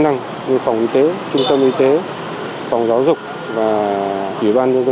đăng ký dự thi tốt nghiệp trung học phổ thông nhiều nhất cả nước